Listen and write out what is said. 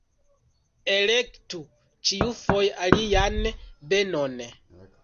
Elektu ĉiufoje alian benon.